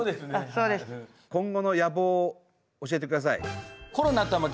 今後の野望を教えてください。